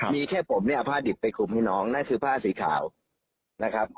มีแค่ผมเนี่ยเอาผ้าดิบไปคลุมให้น้องนั่นคือผ้าสีขาวนะครับ